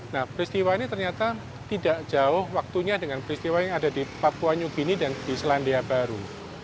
nah peristiwa ini ternyata tidak jauh waktunya dengan peristiwa yang ada di papua new guinea dan di selandia baru